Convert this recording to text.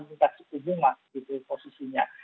tingkat suku bunga gitu posisinya